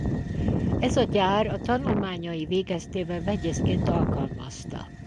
Ez a gyár a tanulmányai végeztével vegyészként alkalmazta.